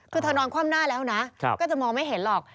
คือเธอนอนคว่ำหน้าแล้วนะก็จะมองไม่เห็นหรอก